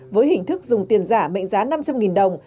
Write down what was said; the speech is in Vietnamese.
với hình thức dùng tiền giả mệnh giá năm trăm linh đồng